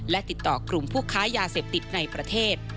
และติดต่อกลุ่มผู้ค้ายาเสพติดในประเทศ